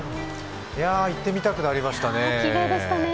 行ってみたくなりましたね。